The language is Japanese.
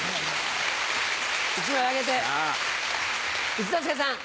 一之輔さん。